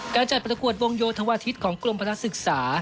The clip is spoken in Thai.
การจัดประกวดวงโยธวาทิศของกรมพนักศึกษา